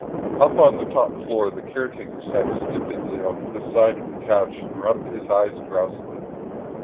Up on the top floor the caretaker sat stupidly on the side of his couch and rubbed his eyes drowsily.